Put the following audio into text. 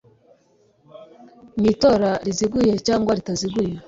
Mu itora riziguye cyangwa ritaziguye